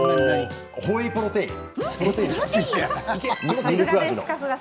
ホエープロテイン。